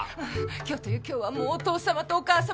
今日という今日はもうお父様とお母様に。